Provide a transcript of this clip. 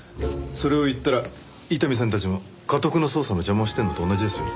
それを言ったら伊丹さんたちもかとくの捜査の邪魔をしてるのと同じですよ。